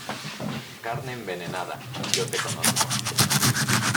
carne envenenada. yo te conozco .